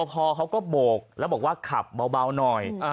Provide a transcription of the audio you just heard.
โรปภอเขาก็โบกแล้วบอกว่าขับเบาเบาหน่อยอ่า